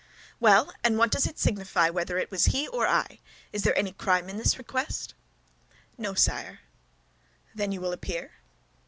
"Well, and what does it signify whether it was he or I? Is there any crime in this request?" "No, sire." "Then you will appear?"